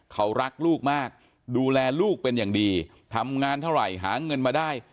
เขารักลูกมากดูแลลูกเป็นอย่างดีทำงานเท่าไหร่หาเงินมาได้